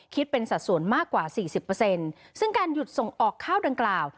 คิดเป็นสัดส่วนมากกว่า๔๐ซึ่งการหยุดส่งออกข้าวดังกล่าว